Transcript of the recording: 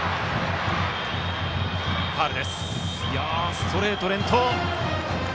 ストレート連投。